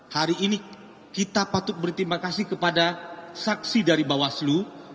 hari ini kita patut berterima kasih kepada saksi dari bawaslu